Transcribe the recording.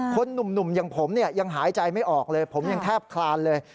คนหนุ่มอย่างผมเนี่ยยังหายใจไม่ออกเลยผมยังแทบคลานเลย